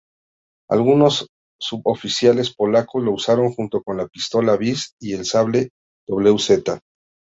Algunos suboficiales polacos lo usaron junto con la pistola Vis y el sable wz.